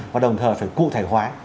và đồng thời phải cụ thể hóa